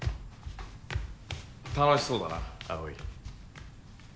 楽しそうだな葵。